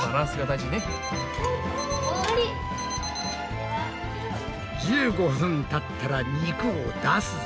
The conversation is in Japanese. １５分たったら肉を出すぞ。